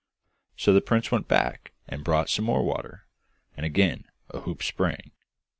So the prince went back, and brought some more water, and again a hoop sprang.